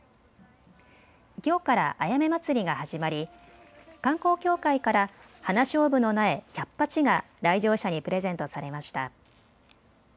きょうからあやめ祭りが始まり、観光協会からハナショウブの苗１００鉢が来場者にプレゼントされました。